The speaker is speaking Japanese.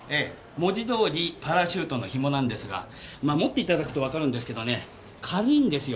文字どおりパラシュートの紐なんですが持って頂くとわかるんですけどね軽いんですよ。